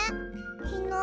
きのう